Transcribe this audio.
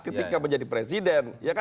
ketika menjadi presiden